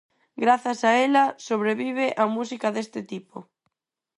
Grazas a ela, sobrevive a música deste tipo.